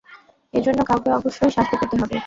এজন্য কাউকে অবশ্যই শাস্তি পেতে হবে!